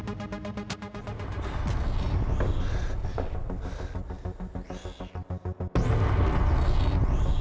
kalau aja lu gak celah kain bisa lemak